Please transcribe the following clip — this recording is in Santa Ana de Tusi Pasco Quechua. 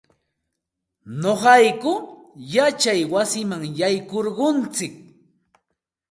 Nuqayku yachay wasiman yaykurquntsik.